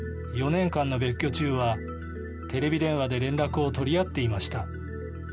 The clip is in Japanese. ４年間の別居中はテレビ電話で連絡を取り合っていました。